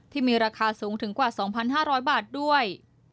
ที่มีราคาสูงถึงกว่า๒๕๐๐บาทด้วย